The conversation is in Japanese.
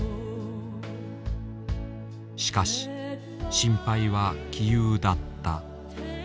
しかし心配は杞憂だった。